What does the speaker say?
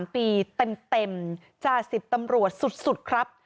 ๓ปีเต็มจ่า๑๐ตำรวจสุดครับ